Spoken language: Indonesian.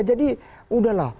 jadi udah lah